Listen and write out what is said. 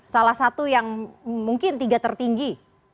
salah satu yang mungkin tiga tertinggi